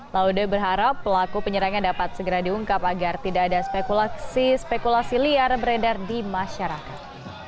laude berharap pelaku penyerangan dapat segera diungkap agar tidak ada spekulasi spekulasi liar beredar di masyarakat